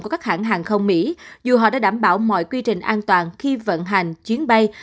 của các hãng hàng không mỹ dù họ đã đảm bảo mọi quy trình an toàn khi vận hành chuyến bay